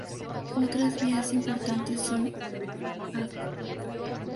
Otras vías importantes son Av.